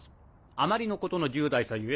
あまりの事の重大さゆえ